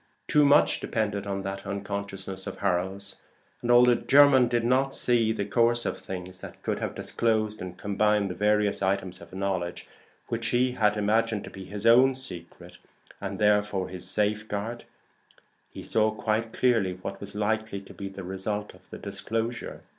Too much depended on that unconsciousness of Harold's; and although Jermyn did not see the course of things that could have disclosed and combined the various items of knowledge which he had imagined to be his own secret, and therefore his safeguard, he saw quite clearly what was likely to be the result of the disclosure.